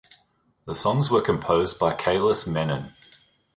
The songs were composed by Kailas Menon.